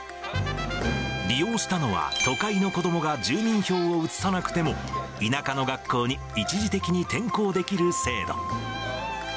利用したのは、都会の子どもが住民票を移さなくても、田舎の学校に一時的に転校できる制度。